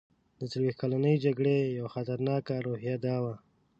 د څلوېښت کلنې جګړې یوه خطرناکه روحیه دا وه.